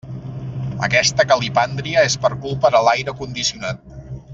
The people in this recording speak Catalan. Aquesta calipàndria és per culpa de l'aire condicionat.